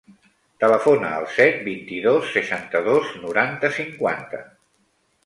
Telefona al set, vint-i-dos, seixanta-dos, noranta, cinquanta.